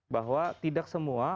bahwa tidak semua